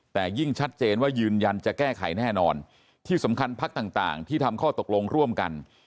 แต่ยิ่งชัดเจนว่ายืนยันจะแก้ไขแน่นอนที่สำคัญพักต่างที่ทำข้อตกลงร่วมกัน